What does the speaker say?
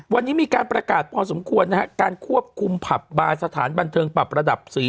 วันนี้มีการประกาศพอสมควรนะฮะการควบคุมผับบาร์สถานบันเทิงปรับระดับสี